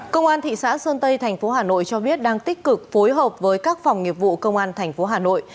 công an thị xã sơn tây thành phố hà nội cho biết đang tích cực phối hợp với các phòng nghiệp vụ công an tp hà nội